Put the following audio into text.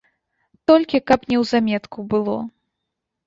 Толькі каб неўзаметку было.